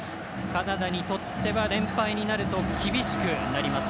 カナダにとっては連敗になると厳しくなります。